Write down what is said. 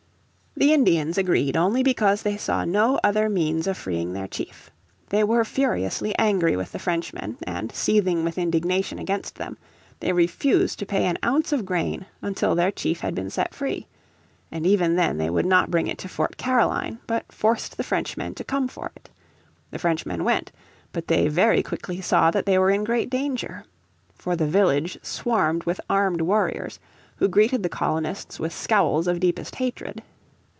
The Indians agreed only because they saw no other means of freeing their chief. They were furiously angry with the Frenchmen and, seething with indignation against them, they refused to pay an ounce of grain until their chief had been set free: and even then they would not bring it to Fort Caroline, but forced the Frenchmen to come for it. The Frenchmen went, but they very quickly saw that they were in great danger. For the village swarmed with armed warriors who greeted the colonists with scowls of deepest hatred.